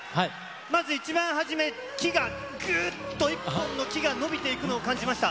まず一番初め、木がぐっと、一本の木が伸びていくのを感じました。